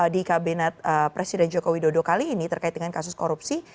di kabinet presiden joko widodo kali ini terkait dengan kasus korupsi